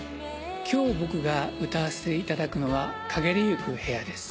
今日僕が歌わせていただくのは『翳りゆく部屋』です。